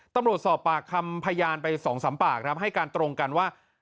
ตำรวจสอบปากคำพยานไป๒๓ปากครับให้การตรงกันว่า